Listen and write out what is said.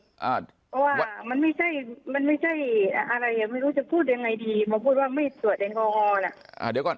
พอพูดว่าไม่ตรวจแดงกอมน่ะ